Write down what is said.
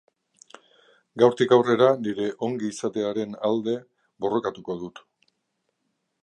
Gaurtik aurrera nire ongi-izatearen alde borrokatuko dut.